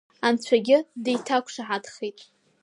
Анцәагьы деиҭақәшаҳаҭхеит.